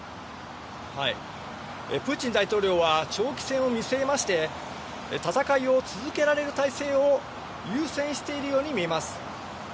プーチン大統領は長期戦を見据えまして、戦いを続けられる体制を優先しているように見えます。